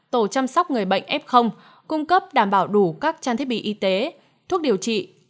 tổ chăm sóc người bệnh f cung cấp đảm bảo đủ các trang thiết bị y tế thuốc điều trị